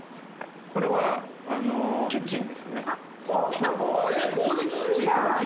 これはキッチンですね。